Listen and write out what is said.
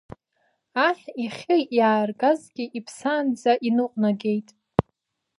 Аҳ ихьы иааргазгьы иԥсаанӡа иныҟәнагеит.